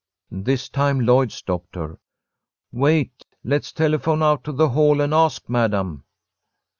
This time Lloyd stopped her. "Wait! Let's telephone out to the Hall and ask Madam."